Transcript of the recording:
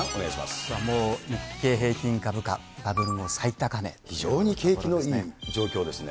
もう日経平均株価、バブル後非常に景気のいい状況ですね。